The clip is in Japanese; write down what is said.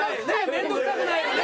面倒くさくないよね？